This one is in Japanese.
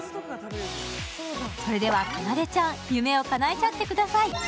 それではかなでちゃん、夢をかなえちゃってください。